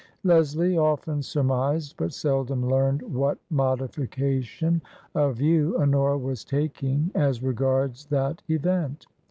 Leslie often surmised but seldom learned what modification of view Honora was taking as regards that event.